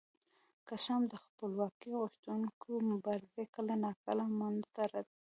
که څه هم د خپلواکۍ غوښتونکو مبارزې کله ناکله له منځه تللې.